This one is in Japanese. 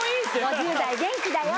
５０代元気だよ。